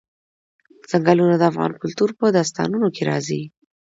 ځنګلونه د افغان کلتور په داستانونو کې راځي.